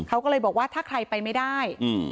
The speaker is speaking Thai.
เขาก็เลยบอกว่าถ้าใครไปไม่ได้